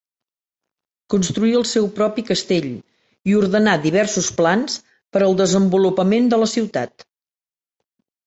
Construí el seu propi castell i ordenà diversos plans per al desenvolupament de la ciutat.